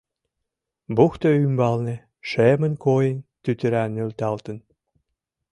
Бухто ӱмбалне, шемын койын, тӱтыра нӧлталтын.